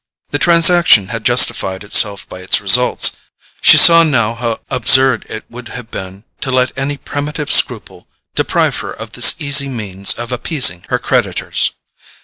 The transaction had justified itself by its results: she saw now how absurd it would have been to let any primitive scruple deprive her of this easy means of appeasing her creditors.